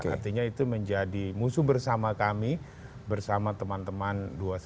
artinya itu menjadi musuh bersama kami bersama teman teman dua ratus dua belas